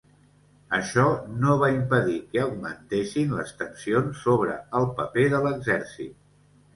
Això no va impedir que augmentessin les tensions sobre el paper de l'exèrcit.